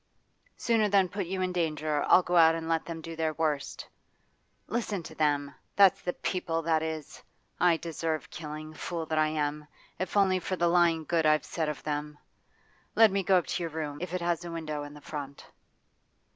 Sooner than put you in danger I'll go out and let them do their worst Listen to them! That's the People, that is! I deserve killing, fool that I am, if only for the lying good I've said of them. Let me go up into your room, if it has a window in the front.